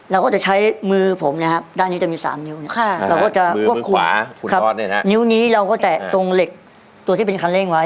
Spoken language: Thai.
เราก็จะใช้มือผมนะครับด้านนี้จะมี๓นิ้วเราก็จะควบคุมนิ้วนี้เราก็แตะตรงเหล็กตัวที่เป็นคันเร่งไว้